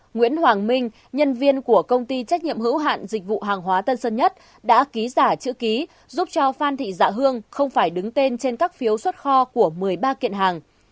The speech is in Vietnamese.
nguyễn hoàng minh nhân viên của công ty trách nhiệm hữu hạn dịch vụ hàng hóa tân sơn nhất đã ký giả chữ ký giúp cho phan thị dạ hương không phải đứng tên trên các phiếu xuất kho của một mươi ba kiện hàng